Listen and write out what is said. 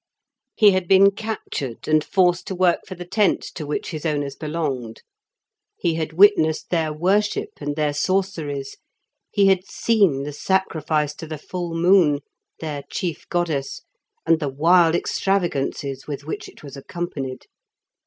He had been captured, and forced to work for the tent to which his owners belonged. He had witnessed their worship and their sorceries; he had seen the sacrifice to the full moon, their chief goddess, and the wild extravagances with which it was accompanied.